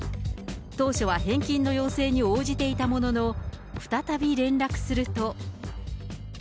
当初は返金の要請に応じていたものの、再び連絡すると。